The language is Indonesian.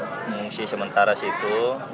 mengungsi sementara situ